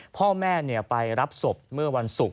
พ่อแม่ไปรับศพเมื่อวันศุกร์